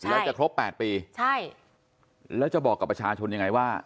แล้วจะครบ๘ปีใช่แล้วจะบอกกับประชาชนยังไงว่า